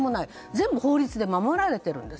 全部、法律で守られているんです。